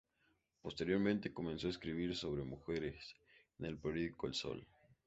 Posteriormente, comenzó a escribir sobre mujeres en el periódico "El Sol".